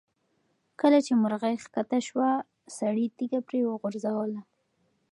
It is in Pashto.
کله چې مرغۍ ښکته شوه، سړي تیږه پرې وغورځوله.